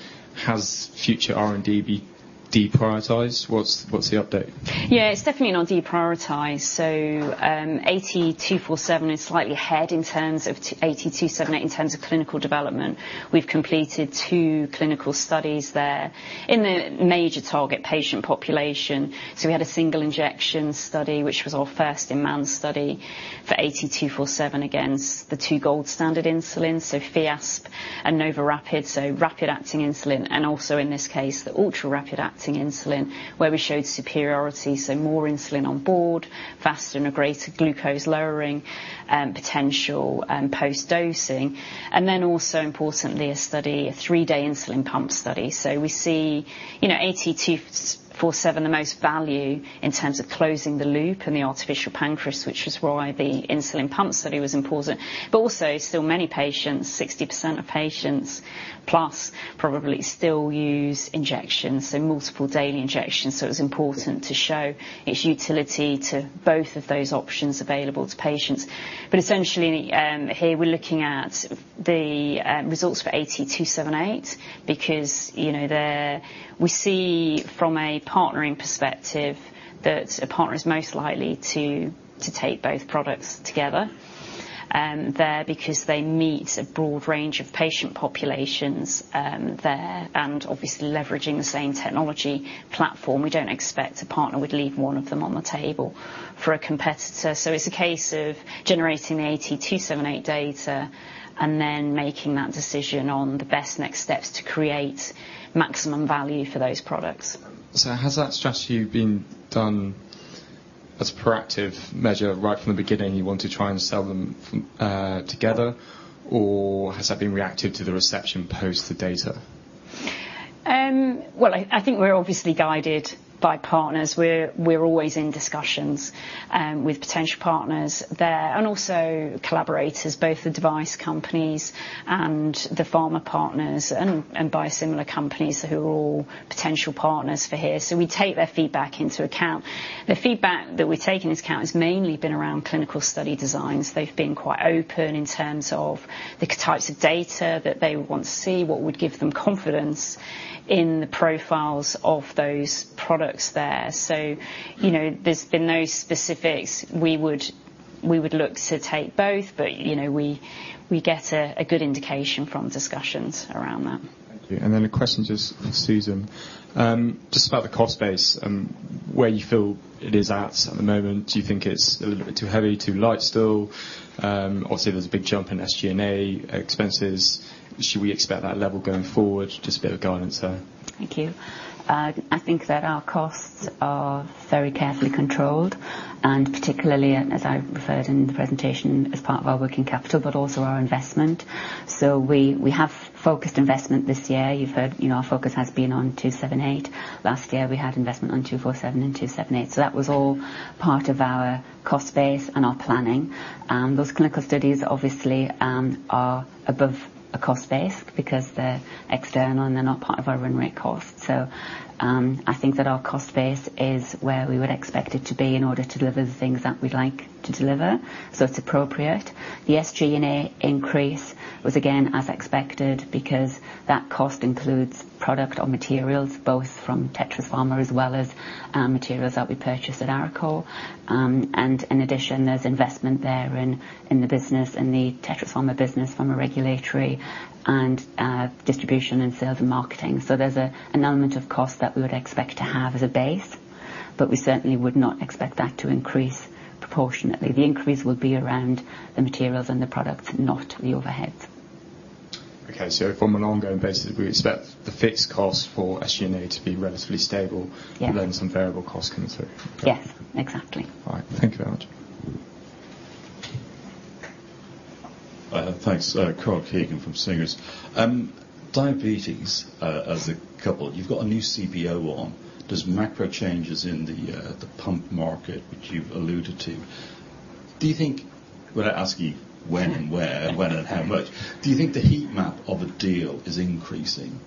Has future R&D be deprioritized? What's the update? Yeah, it's definitely not deprioritized. So, AT247 is slightly ahead in terms of AT278, in terms of clinical development. We've completed two clinical studies there in the major target patient population. So we had a single injection study, which was our first in-man study for AT247 against the two gold standard insulin, so Fiasp and NovoRapid, so rapid-acting insulin, and also, in this case, the ultra-rapid-acting insulin, where we showed superiority, so more insulin on board, faster and a greater glucose-lowering potential post-dosing. And then also importantly, a study, a three-day insulin pump study. So we see, you know, AT247, the most value in terms of closing the loop and the artificial pancreas, which is why the insulin pump study was important. But also still many patients, 60% of patients, plus, probably still use injections, so multiple daily injections, so it was important to show its utility to both of those options available to patients. But essentially, here, we're looking at the results for AT278, because, you know, there, we see from a partnering perspective that a partner is most likely to take both products together. There because they meet a broad range of patient populations, there, and obviously leveraging the same technology platform. We don't expect to partner with leaving one of them on the table for a competitor. So it's a case of generating the AT278 data and then making that decision on the best next steps to create maximum value for those products. Has that strategy been done as a proactive measure right from the beginning, you want to try and sell them together, or has that been reactive to the reception post the data? Well, I think we're obviously guided by partners. We're always in discussions with potential partners there, and also collaborators, both the device companies and the pharma partners and biosimilar companies who are all potential partners for here. So we take their feedback into account. The feedback that we take into account has mainly been around clinical study designs. They've been quite open in terms of the types of data that they want to see, what would give them confidence in the profiles of those products there. So, you know, there's been no specifics. We would look to take both, but, you know, we get a good indication from discussions around that. Thank you. And then a question just on Susan. Just about the cost base and where you feel it is at, at the moment. Do you think it's a little bit too heavy, too light still? Obviously, there's a big jump in SG&A expenses. Should we expect that level going forward? Just a bit of guidance there. Thank you. I think that our costs are very carefully controlled, and particularly, as I referred in the presentation, as part of our working capital, but also our investment. So we have focused investment this year. You've heard, you know, our focus has been on 278. Last year, we had investment on 247 and 278, so that was all part of our cost base and our planning. And those clinical studies obviously are above a cost base because they're external, and they're not part of our run rate cost. So I think that our cost base is where we would expect it to be in order to deliver the things that we'd like to deliver. So it's appropriate. The SG&A increase was again, as expected, because that cost includes product or materials, both from Tetris Pharma as well as materials that we purchased at Arecor. In addition, there's investment there in the business and the Tetris Pharma business from a regulatory and distribution and sales and marketing. So there's an element of cost that we would expect to have as a base, but we certainly would not expect that to increase proportionately. The increase would be around the materials and the products, not the overheads. Okay. So on an ongoing basis, we expect the fixed cost for SG&A to be relatively stable- Yeah. and then some variable costs come through. Yeah, exactly. All right. Thank you very much. Thanks. Carl Smith from Singer. Diabetes, as a couple, you've got a new CBO on. There's macro changes in the pump market, which you've alluded to. Do you think—without asking you when and where—and when and how much, do you think the heat map of a deal is increasing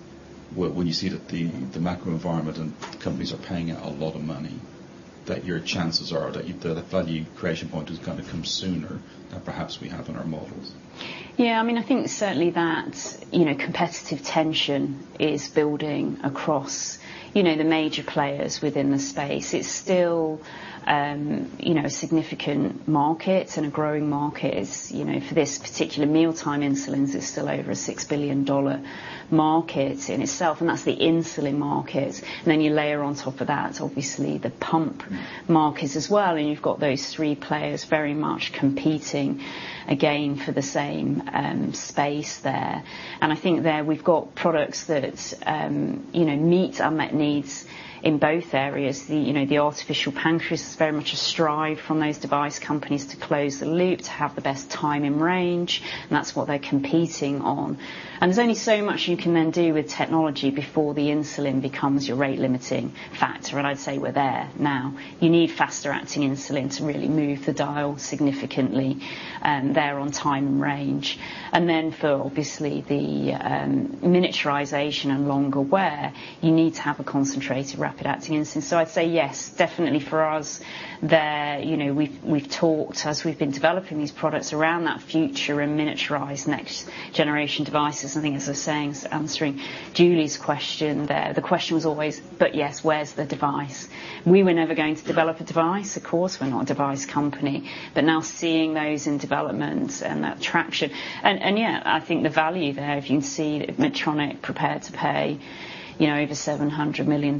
when you see that the macro environment and companies are paying out a lot of money, that your chances are, that the value creation point is going to come sooner than perhaps we have in our models? Yeah, I mean, I think certainly that, you know, competitive tension is building across, you know, the major players within the space. It's still, you know, a significant market and a growing market. It's, you know, for this particular mealtime insulins is still over a $6 billion market in itself, and that's the insulin market. And then you layer on top of that, obviously, the pump markets as well, and you've got those three players very much competing again for the same space there. And I think there, we've got products that, you know, meet unmet needs in both areas. The, you know, the artificial pancreas is very much a drive from those device companies to close the loop, to have the best time in range, and that's what they're competing on. There's only so much you can then do with technology before the insulin becomes your rate-limiting factor, and I'd say we're there now. You need faster-acting insulin to really move the dial significantly there on time in range. And then for obviously the miniaturization and longer wear, you need to have a concentrated, rapid-acting insulin. So I'd say yes, definitely for us there, you know, we've, we've talked as we've been developing these products around that future and miniaturized next-generation devices. I think as I was saying, answering Julie's question there, the question was always: But yes, where's the device? We were never going to develop a device. Of course, we're not a device company. But now seeing those in development and that traction. And yeah, I think the value there, if you can see Medtronic prepared to pay, you know, over $700 million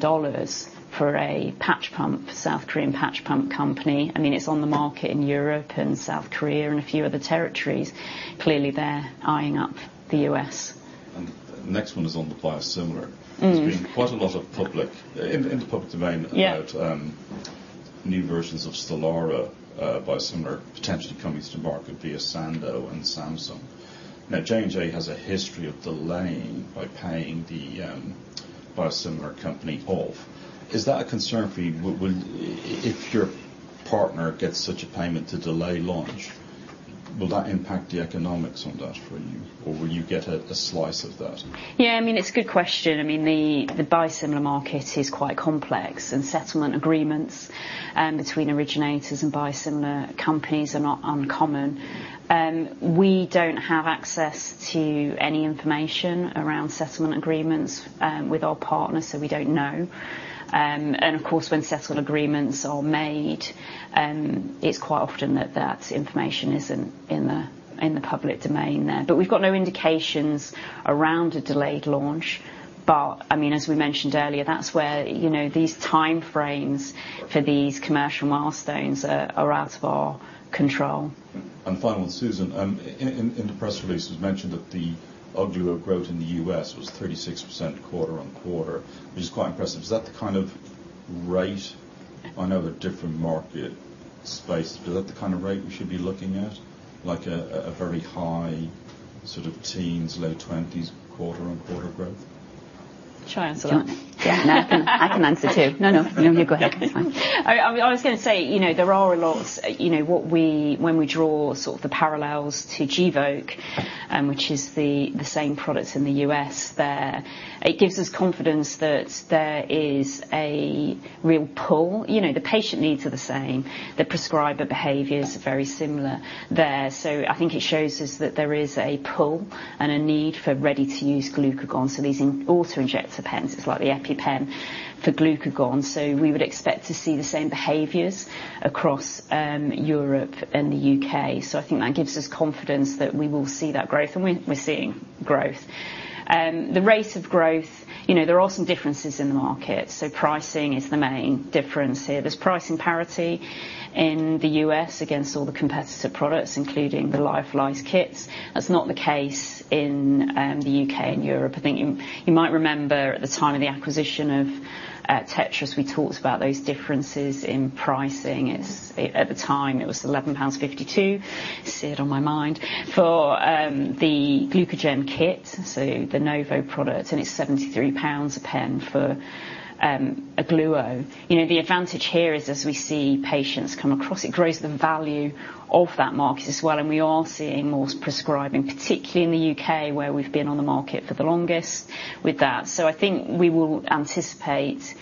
for a patch pump, South Korean patch pump company, I mean, it's on the market in Europe and South Korea and a few other territories. Clearly, they're eyeing up the U.S. The next one is on the biosimilar. Mm-hmm. There's been quite a lot of public, in the public domain- Yeah... about new versions of Stelara, biosimilar potentially coming to market via Sandoz and Samsung. Now, J&J has a history of delaying by paying the biosimilar company off. Is that a concern for you? Well, if your partner gets such a payment to delay launch, will that impact the economics on that for you, or will you get a slice of that? Yeah, I mean, it's a good question. I mean, the biosimilar market is quite complex, and settlement agreements between originators and biosimilar companies are not uncommon. We don't have access to any information around settlement agreements with our partners, so we don't know. And of course, when settlement agreements are made. And it's quite often that that information isn't in the public domain there. But we've got no indications around a delayed launch. But, I mean, as we mentioned earlier, that's where, you know, these timeframes for these commercial milestones are out of our control. Finally, Susan, in the press release, it was mentioned that the Ogluo growth in the U.S. was 36% quarter-on-quarter, which is quite impressive. Is that the kind of rate—I know they're different market space, but is that the kind of rate we should be looking at, like a very high sort of teens, low twenties, quarter-on-quarter growth? Shall I answer that? Yeah. No, I can answer, too. No, no, no, you go ahead. It's fine. I was gonna say, you know, there are a lot, you know, what we, when we draw sort of the parallels to Gvoke, and which is the same products in the U.S. there, it gives us confidence that there is a real pull. You know, the patient needs are the same. The prescriber behavior is very similar there. So I think it shows us that there is a pull and a need for ready-to-use glucagon, so these in auto-injector pens. It's like the EpiPen for glucagon. So we would expect to see the same behaviors across Europe and the U.K. So I think that gives us confidence that we will see that growth, and we're seeing growth. The rate of growth, you know, there are some differences in the market, so pricing is the main difference here. There's pricing parity in the U.S. against all the competitor products, including the Lifelise kits. That's not the case in the U.K. and Europe. I think you might remember at the time of the acquisition of Tetros, we talked about those differences in pricing. It's. At the time, it was 11.52 pounds for the GlucaGen kit, so the Novo product, and it's 73 pounds a pen for Ogluo. You know, the advantage here is as we see patients come across, it grows the value of that market as well, and we are seeing more prescribing, particularly in the U.K., where we've been on the market for the longest with that. So I think we will anticipate,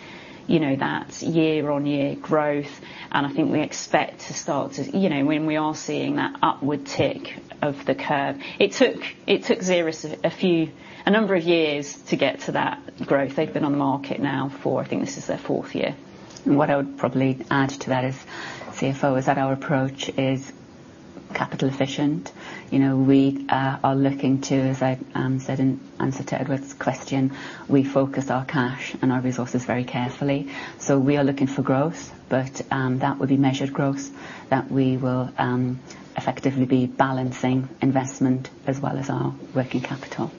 you know, that year-on-year growth, and I think we expect to start to... You know, when we are seeing that upward tick of the curve. It took Xeris a few, a number of years to get to that growth. They've been on the market now for, I think this is their fourth year. What I would probably add to that as CFO is that our approach is capital efficient. You know, we are looking to, as I said in answer to Edward's question, we focus our cash and our resources very carefully. So we are looking for growth, but that would be measured growth, that we will effectively be balancing investment as well as our working capital.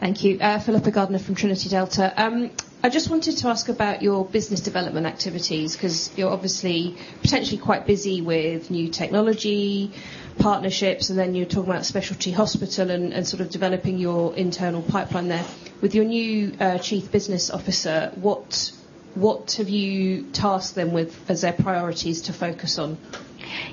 Thank you. Philippa Gardner from Trinity Delta. I just wanted to ask about your business development activities, 'cause you're obviously potentially quite busy with new technology, partnerships, and then you're talking about specialty hospital and sort of developing your internal pipeline there. With your new chief business officer, what have you tasked them with as their priorities to focus on?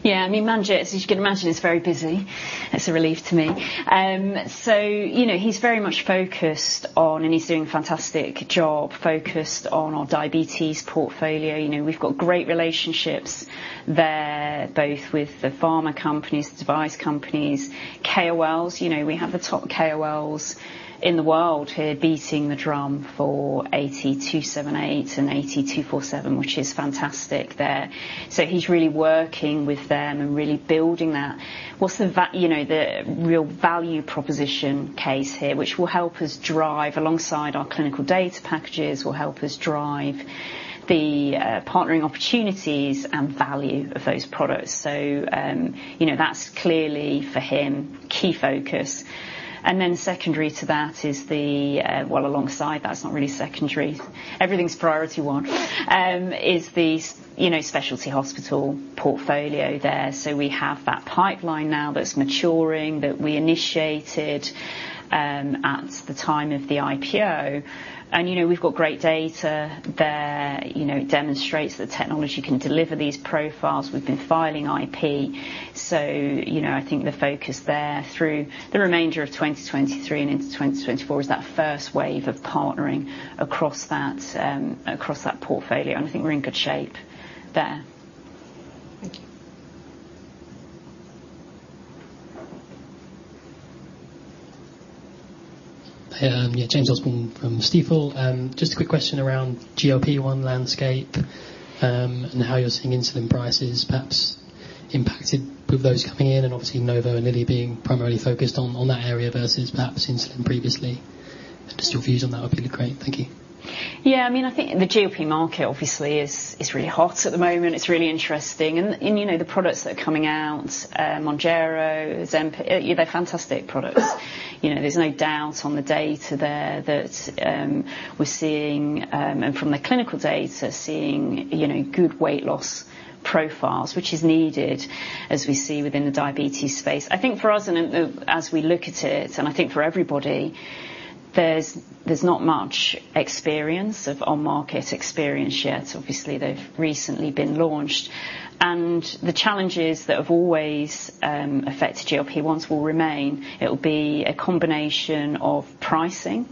Yeah, I mean, Manjit, as you can imagine, is very busy. It's a relief to me. So you know, he's very much focused on, and he's doing a fantastic job, focused on our diabetes portfolio. You know, we've got great relationships there, both with the pharma companies, the device companies, KOLs. You know, we have the top KOLs in the world here, beating the drum for AT278 and AT247, which is fantastic there. So he's really working with them and really building that. What's the, you know, the real value proposition case here, which will help us drive alongside our clinical data packages, will help us drive the, partnering opportunities and value of those products. So, you know, that's clearly, for him, key focus. And then secondary to that is the, Well, alongside, that's not really secondary. Everything's priority one. You know, the specialty hospital portfolio there. So we have that pipeline now that's maturing, that we initiated, at the time of the IPO. And, you know, we've got great data there. You know, it demonstrates the technology can deliver these profiles. We've been filing IP. So, you know, I think the focus there through the remainder of 2023 and into 2024 is that first wave of partnering across that, across that portfolio. And I think we're in good shape there. Thank you. Yeah, James Osborne from Stifel. Just a quick question around GLP-1 landscape, and how you're seeing insulin prices perhaps impacted with those coming in and obviously Novo and Lilly being primarily focused on, on that area versus perhaps insulin previously. Just your views on that would be great. Thank you. Yeah, I mean, I think the GLP market obviously is really hot at the moment. It's really interesting and, you know, the products that are coming out, Mounjaro, Ozempic, they're fantastic products. You know, there's no doubt on the data there that we're seeing and from the clinical data, seeing, you know, good weight loss profiles, which is needed as we see within the diabetes space. I think for us and as we look at it, and I think for everybody, there's not much experience of on-market experience yet. Obviously, they've recently been launched. And the challenges that have always affected GLP-1s will remain. It'll be a combination of pricing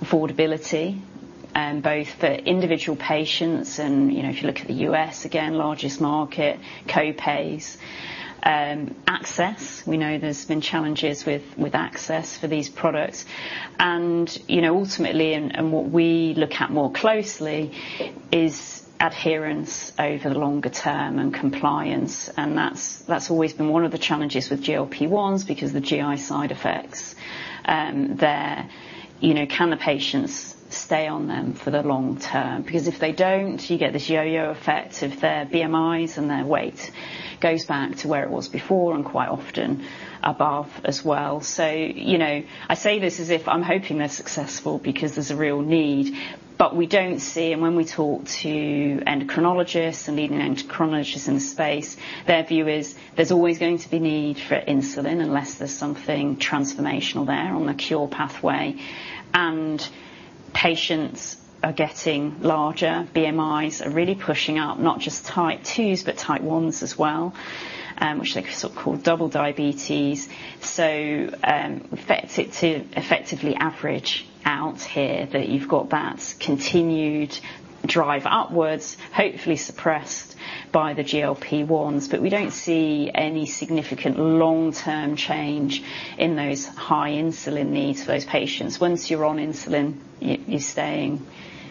affordability, both for individual patients and, you know, if you look at the U.S., again, largest market, co-pays. Access, we know there's been challenges with access for these products. You know, ultimately, what we look at more closely is adherence over the longer term and compliance, and that's always been one of the challenges with GLP-1s, because the GI side effects there. You know, can the patients stay on them for the long term? Because if they don't, you get this yo-yo effect of their BMIs and their weight goes back to where it was before, and quite often above as well. So, you know, I say this as if I'm hoping they're successful because there's a real need. But we don't see, and when we talk to endocrinologists and leading endocrinologists in the space, their view is there's always going to be need for insulin unless there's something transformational there on the cure pathway. And patients are getting larger. BMIs are really pushing up, not just Type 2s, but Type 1s as well, which they so-called double diabetes. So, to effectively average out here that you've got that continued drive upwards, hopefully suppressed by the GLP-1s. But we don't see any significant long-term change in those high insulin needs for those patients. Once you're on insulin, you're staying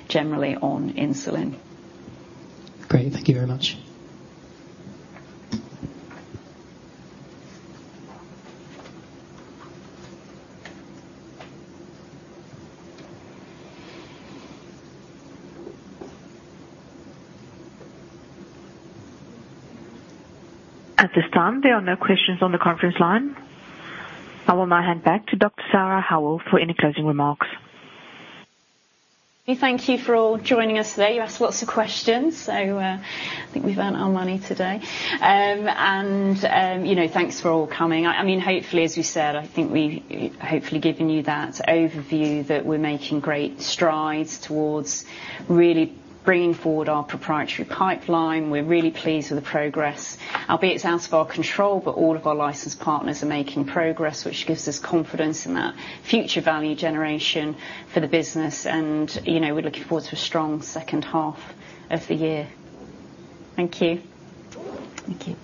generally on insulin. Great. Thank you very much. At this time, there are no questions on the conference line. I will now hand back to Dr. Sarah Howell for any closing remarks. We thank you for all joining us today. You asked lots of questions, so I think we've earned our money today. And you know, thanks for all coming. I mean, hopefully, as we said, I think we've hopefully given you that overview, that we're making great strides towards really bringing forward our proprietary pipeline. We're really pleased with the progress, albeit it's out of our control, but all of our licensed partners are making progress, which gives us confidence in that future value generation for the business. And you know, we're looking forward to a strong second half of the year. Thank you. Thank you.